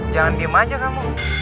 jangan diem aja kamu